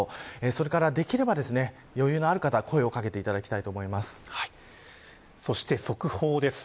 それから、できれば余裕のある方声を掛けていただきたいとそして速報です。